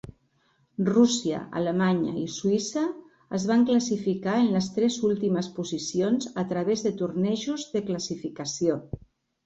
Rússia, Alemanya i Suïssa es van classificar en les tres últimes posicions a través de tornejos de classificació.